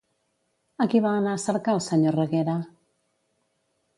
A qui va anar a cercar el senyor Reguera?